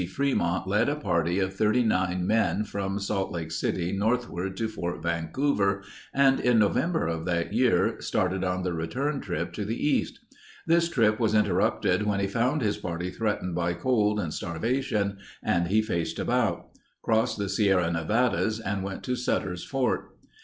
Fremont led a party of 39 men from Salt Lake City northward to Fort Vancouver and in November of that year, started on the return trip to the East. This trip was interrupted when he found his party threatened by cold and starvation and he faced about; crossed the Sierra Nevadas and went to Sutter's Fort.